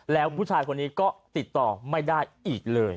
แล้วผู้ชายคนนี้ก็ติดต่อไม่ได้อีกเลย